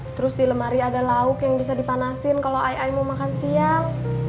terus di lemari ada lauk yang bisa dipanasin kalau ai ai mau makan siang